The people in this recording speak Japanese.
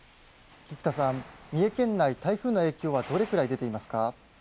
三重県内、台風の影響はどれくらい出ていますか。